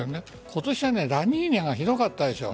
今年はラニーニャがひどかったでしょ。